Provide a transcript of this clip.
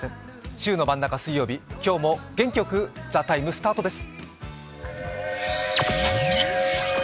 週の真ん中、今日も元気よく「ＴＨＥＴＩＭＥ，」スタートです。